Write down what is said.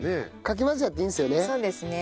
かき混ぜちゃっていいんですよね？